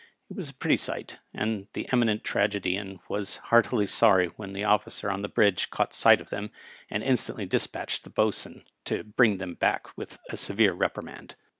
It was a pretty sight, and the Emi nent Tragedian was heartily sorry when the officer on the bridge caught sight of them, and instantly dispatched the boatswain to bring them back with a severe reprimand.